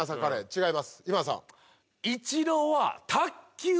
違います！